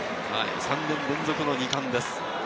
３年連続の二冠です。